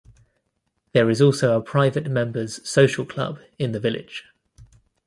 There is also a private members social club in the village.